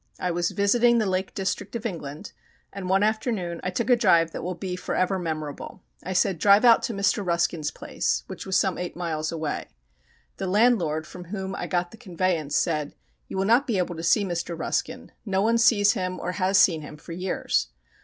I was visiting the Lake district of England, and one afternoon I took a drive that will be for ever memorable. I said, "Drive out to Mr. Ruskin's place," which was some eight miles away. The landlord from whom I got the conveyance said, "You will not be able to see Mr. Ruskin. No one sees him or has seen him for years."